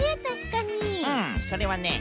うんそれはね